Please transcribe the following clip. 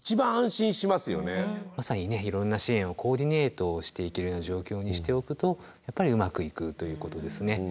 まさにいろんな支援をコーディネートしていけるような状況にしておくとやっぱりうまくいくということですね。